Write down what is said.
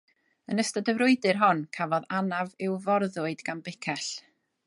Yn ystod y frwydr hon, cafodd anaf i'w forddwyd gan bicell.